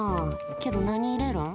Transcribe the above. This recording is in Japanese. けど、何入れるん？